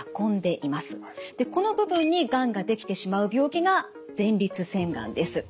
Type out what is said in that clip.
この部分にがんが出来てしまう病気が前立腺がんです。